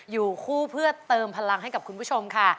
อยู่คู่เพื่อเติมพลังให้กับคุณผู้ชมค่ะ